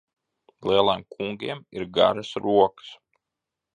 Lieliem kungiem ir garas rokas.